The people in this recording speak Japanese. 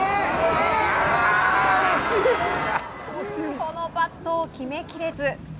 このパットを決め切れず。